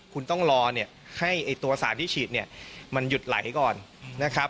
คุณต้องรอให้ตัวสารที่ฉีดมันหยุดไหลก่อนนะครับ